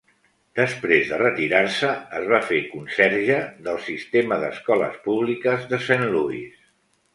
Després de retirar-se es va fer conserge del sistema d'escoles públiques de Saint Louis.